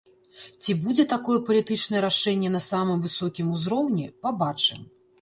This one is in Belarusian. Ці будзе такое палітычнае рашэнне на самым высокім узроўні, пабачым.